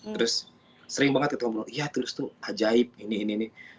terus sering banget kita ngobrol ya tulus tuh ajaib ini ini ini